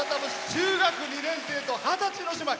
中学２年生と二十歳の姉妹。